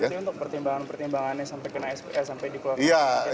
jadi untuk pertimbangan pertimbangannya sampai di keluarga